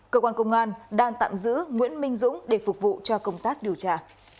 cơ quan công an đang tạm giữ nguyễn minh dũng để phục vụ cho công tác điều tra